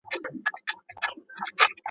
هغوی د اقتصادي ودې برخه جوړوي.